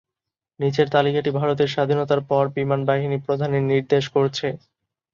নিচের তালিকাটি ভারতের স্বাধীনতার পর বিমানবাহিনী প্রধানের নির্দেশ করছে।